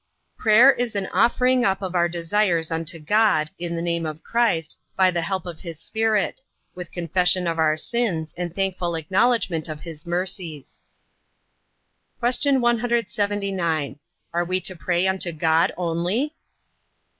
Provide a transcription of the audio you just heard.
Prayer is an offering up of our desires unto God, in the name of Christ, by the help of his Spirit; with confession of our sins, and thankful acknowledgement of his mercies. Q. 179. Are we to pray unto God only?